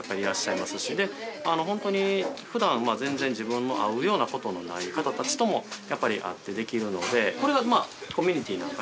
で本当に普段全然自分の会うような事のない方たちともやっぱり会ってできるのでこれがコミュニティーなのかな